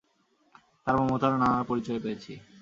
তাঁর মমতার নানান পরিচয় পেয়েছি।